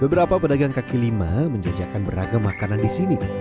beberapa pedagang kaki lima menjajakan beragam makanan di sini